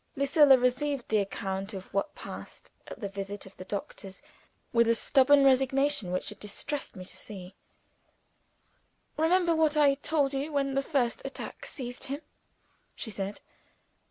Lucilla received the account of what passed at the visit of the doctors with a stubborn resignation which it distressed me to see. "Remember what I told you when the first attack seized him," she said.